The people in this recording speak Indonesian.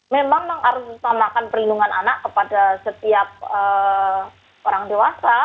memang mengarungsamakan perlindungan anak kepada setiap orang dewasa